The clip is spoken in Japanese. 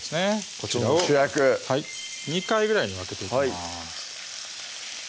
こちらを主役２回ぐらいに分けていきます